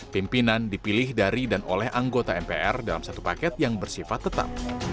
pimpinan dipilih dari dan oleh anggota mpr dalam satu paket yang bersifat tetap